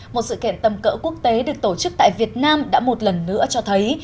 một sự kiện tầm cỡ quốc tế được tổ chức tại việt nam đã một lần nữa cho thấy